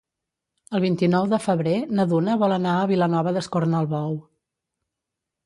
El vint-i-nou de febrer na Duna vol anar a Vilanova d'Escornalbou.